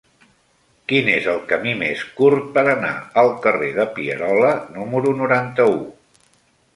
Quin és el camí més curt per anar al carrer de Pierola número noranta-u?